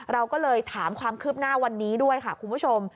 เราก็เลยถามความคืบหน้าวันนี้ด้วยค่ะคุณผู้ชม